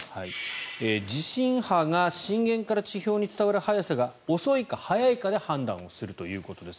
地震波が震源から地表に伝わる速さが遅いか速いかで判断をするということです。